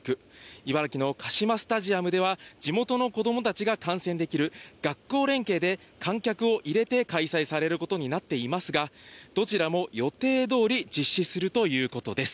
茨城のカシマスタジアムでは地元の子供たちが観戦できる学校連携で観客を入れて開催されることになっていますが、どちらも予定通り実施するということです。